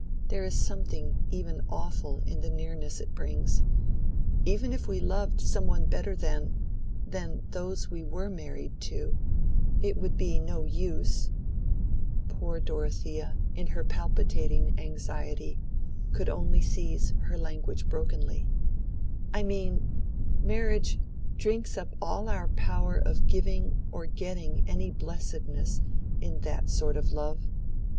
There is something even awful in the nearness it brings. Even if we loved some one else better than—than those we were married to, it would be no use"—poor Dorothea, in her palpitating anxiety, could only seize her language brokenly—"I mean, marriage drinks up all our power of giving or getting any blessedness in that sort of love.